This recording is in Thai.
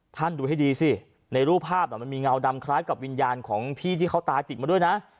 ดูให้ดีสิในรูปภาพมันมีเงาดำคล้ายกับวิญญาณของพี่ที่เขาตาจิตมาด้วยนะ